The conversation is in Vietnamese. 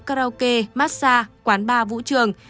karaoke massage quán bar vũ trường